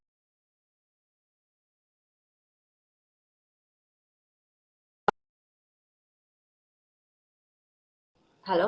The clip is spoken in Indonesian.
masa masa kita bisa berjalan di luar